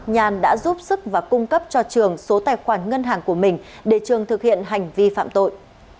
nhàn đã giúp sức và cung cấp cho trường số tài khoản ngân hàng của mình để trường thực hiện hành vi phạm tội